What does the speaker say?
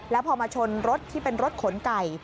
แล้วพอมาชนรถที่เป็นรถขนไก่